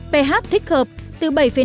ph thích hợp từ bảy năm tám năm